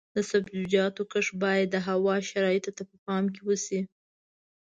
د سبزیجاتو کښت باید د هوا شرایطو ته په پام وشي.